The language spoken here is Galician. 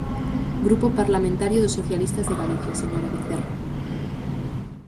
Grupo Parlamentario dos Socialistas de Galicia, señora Vecerra.